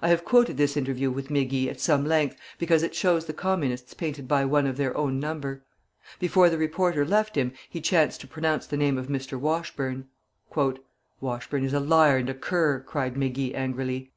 I have quoted this interview with Mégy at some length, because it shows the Communists painted by one of their own number. Before the reporter left him, he chanced to pronounce the name of Mr. Washburne. "Washburne is a liar and a cur," cried Mégy, angrily.